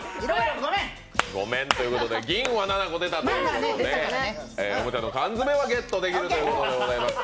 ごめんということで銀は７個出たんで、おもちゃのカンヅメはゲットできるということでございます。